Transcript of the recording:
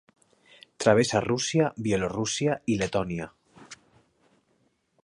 Travessa Rússia, Bielorússia i Letònia.